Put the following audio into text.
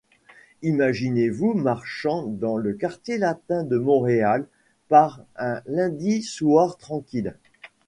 Imaginez-vous marchant dans le Quartier latin de Montréal par un lundi soir tranquille.